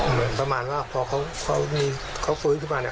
เหมือนประมาณว่าพอเขาฟื้นขึ้นมาเนี่ย